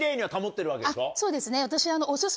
そうですね私。